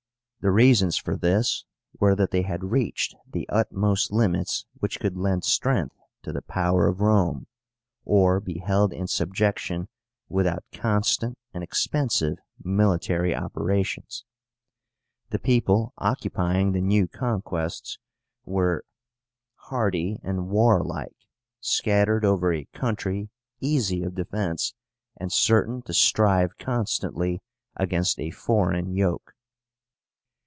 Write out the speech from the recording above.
The reasons for this were that they had reached the utmost limits which could lend strength to the power of Rome, or be held in subjection without constant and expensive military operations. The people occupying the new conquests were hardy and warlike, scattered over a country easy of defence, and certain to strive constantly against a foreign yoke.